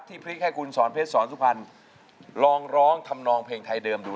พลิกให้คุณสอนเพชรสอนสุพรรณลองร้องทำนองเพลงไทยเดิมดู